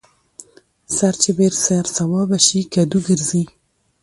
ـ سر چې بې سر سوابه شي کدو ګرځي.